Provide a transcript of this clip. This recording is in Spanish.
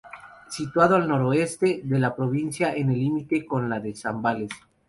Situado al noroeste de la provincia en el límite con la de Zambales.